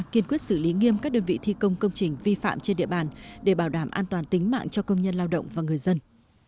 kiên quyết xử lý nghiêm các đơn vị thi công công trình vi phạm trên địa bàn để bảo đảm an toàn tính mạng cho công nhân lao động và người dân